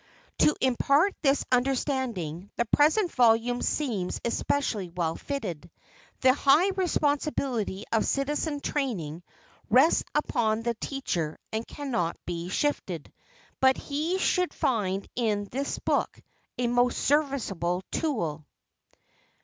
To impart this understanding, the present volume seems especially well fitted. The high responsibility of citizen training rests upon the teacher and cannot be shifted, but he should find in this book a most serviceable tool.